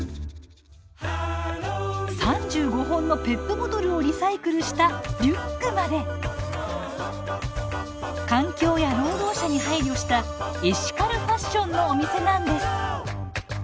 ３５本のペットボトルをリサイクルしたリュックまで環境や労働者に配慮したエシカルファッションのお店なんです。